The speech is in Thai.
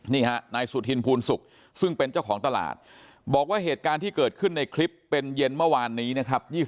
นี่ฮะนายสุธินภูนศุกร์ซึ่งเป็นเจ้าของตลาดบอกว่าเหตุการณ์ที่เกิดขึ้นในคลิปเป็นเย็นเมื่อวานนี้นะครับ